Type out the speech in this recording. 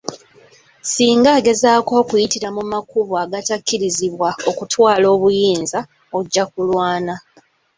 Singa agezaako okuyitira mu makubo agatakkirizibwa okutwala obuyinza ojja kulwana.